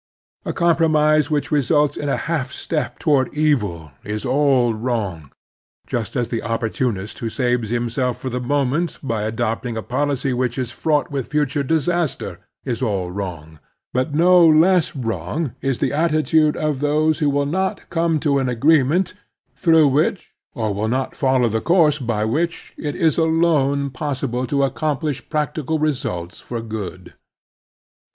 A compromise which results in a half step toward evil is all wrong, just as the opportunist who saves himself for the moment by adopting a policy which is fraught with future disaster is all wrong; but no less wrong is the attitude of those who will not come to an agree ment through which, or will not follow the course by which, it is alone possible to accompUsh prac tical results for good.